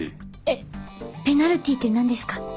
えっペナルティーって何ですか？